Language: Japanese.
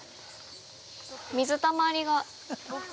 ◆水たまりが。